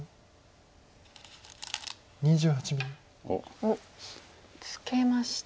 おっツケました。